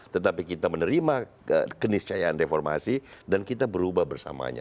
tetapi kita menerima keniscayaan reformasi dan kita berubah bersamanya